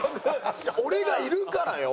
俺がいるからよ？